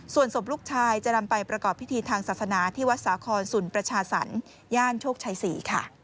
ส่วนศพลูกชายจะนำไปประกอบพิธีทางศาสนาที่วัดสาครสุนประชาสรรคย่านโชคชัย๔ค่ะ